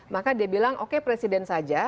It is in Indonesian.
maka dia bilang oke presiden saja